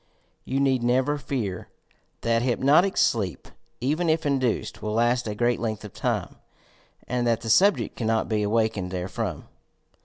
You need never fear that hypno tic sleep, even if induced, will last a great length of time and that the subject cannot be awakened therefrom.